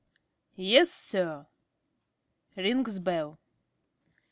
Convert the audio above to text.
~ Yes, sir. (_Rings bell.